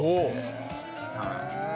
へえ。